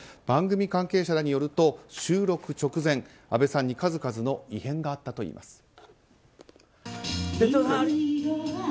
番組関係者らによると収録直前、あべさんに数々の異変があったといいます。